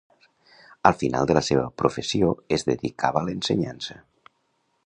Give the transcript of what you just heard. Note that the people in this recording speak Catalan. Al final de la seva professió es dedicava l'ensenyança.